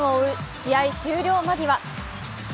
試合終了間際。